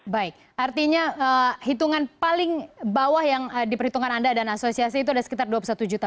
baik artinya hitungan paling bawah yang diperhitungkan anda dan asosiasi itu ada sekitar dua puluh satu juta